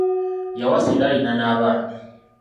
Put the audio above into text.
Yawasa era alina n'abaana.